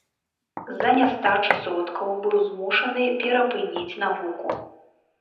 З-за нястачы сродкаў быў змушаны перапыніць навуку.